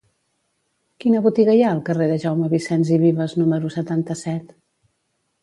Quina botiga hi ha al carrer de Jaume Vicens i Vives número setanta-set?